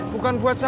bukan buat saya